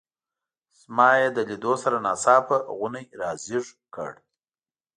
زما یې له لیدو سره ناڅاپه غونی را زېږ کړ.